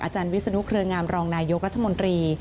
วิศนุเครืองามรองนายกรัฐมนตรี